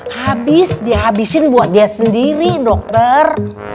habis dihabisin buat dia sendiri dokter